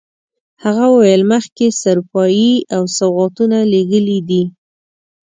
هغه وویل مخکې سروپايي او سوغاتونه لېږلي دي.